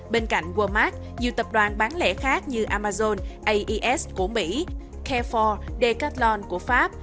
bên cạnh walmart nhiều tập đoàn bán lẻ khác như amazon aes của mỹ care bốn decathlon của pháp